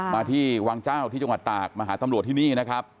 มาที่วังเจ้าที่จังหวัดตากมาหาตำรวจที่นี่นะครับ